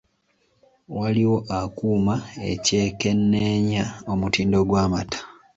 Waliwo akuuma ekyekenneenya omutindo gw'amata.